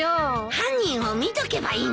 犯人を見とけばいいんだね。